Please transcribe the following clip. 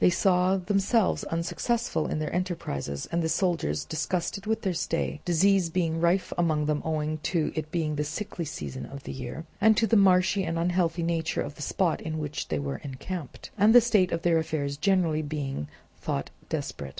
They saw themselves unsuccessful in their enterprises, and the soldiers disgusted with their stay; disease being rife among them owing to its being the sickly season of the year, and to the marshy and unhealthy nature of the spot in which they were encamped; and the state of their affairs generally being thought desperate.